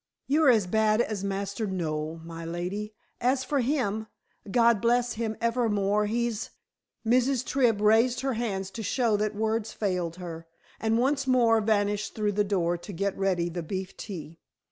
You're as bad as Master Noel, my lady. As for him, God bless him evermore, he's " Mrs. Tribb raised her hands to show that words failed her, and once more vanished through the door to get ready the beef tea.